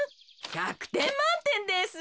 １００てんまんてんです。